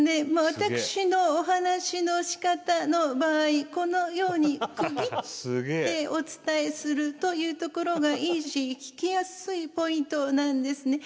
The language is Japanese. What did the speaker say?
私のお話の仕方の場合このように区切ってお伝えするというところがイージー聞きやすいポイントなんですね。